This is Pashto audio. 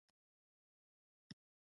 آیا د ایران ځنګلونه نه ساتل کیږي؟